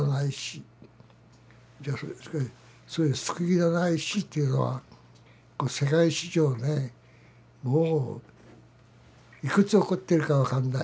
そういう救いのない死というのは世界史上ねもういくつ起こってるか分かんない。